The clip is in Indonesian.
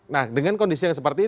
nah dengan kondisi yang sepertinya